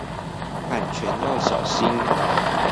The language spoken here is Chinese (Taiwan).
版權要小心